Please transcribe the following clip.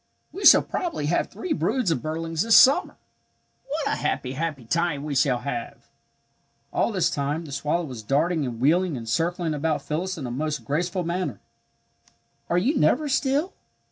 "We shall probably have three broods of birdlings this summer. What a happy, happy time we shall have!" All this time the swallow was darting and wheeling and circling about Phyllis in a most graceful manner. "Are you never still?"